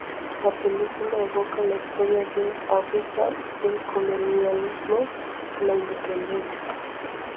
La película evoca la historia de África, del colonialismo a la independencia.